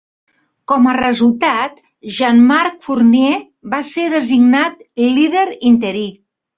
Com a resultat, Jean-Marc Fournier va ser designat líder interí.